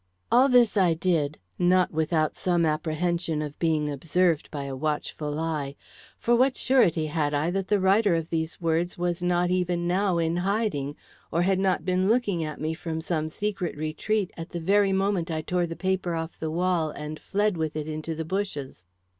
All this I did, not without some apprehension of being observed by a watchful eye. For what surety had I that the writer of these words was not even now in hiding, or had not been looking at me from some secret retreat at the very moment I tore the paper off the wall and fled with it into the bushes?